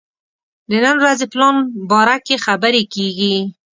د نن ورځې پلان باره کې خبرې کېږي.